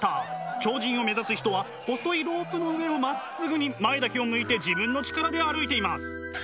超人を目指す人は細いロープの上をまっすぐに前だけを向いて自分の力で歩いています。